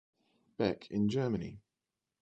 Beck in Germany.